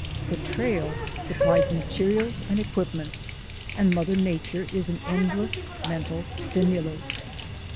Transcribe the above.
The trail supplies materials and equipment, and Mother Nature is an endless mental stimulus.